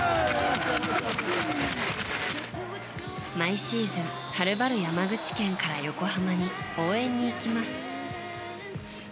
毎シーズンはるばる山口県から横浜に応援に行きます。